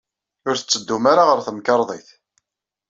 Ur tettedum ara ɣer temkarḍit.